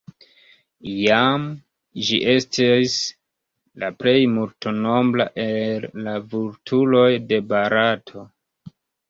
Iam ĝi estis la plej multnombra el la vulturoj de Barato.